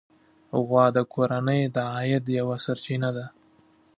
غوا د کورنۍ د عاید یوه سرچینه ده.